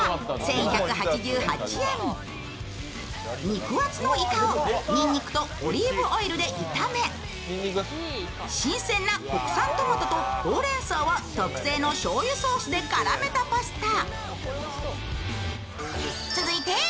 肉厚のいかをにんにくとオリーブオイルで炒め新鮮な国産トマトとほうれんそうを特製のしょうゆソースで絡めたパスタ。